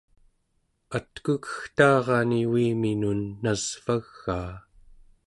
atkukegtaarani uiminun nasvagaa